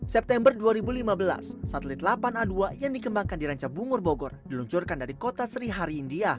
september dua ribu lima belas satelit lapan a dua yang dikembangkan di ranca bungur bogor diluncurkan dari kota srihari india